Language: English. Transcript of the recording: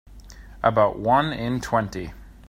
About one in twenty.